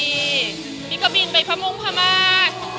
ก็มีใครที่ไปพระมุงพมาท